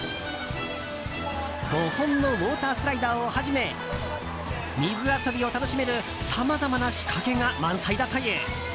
５本のウォータースライダーをはじめ水遊びを楽しめるさまざまな仕掛けが満載だという。